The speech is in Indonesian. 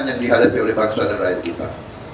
yang dihadapi oleh bangsa dan rakyat kita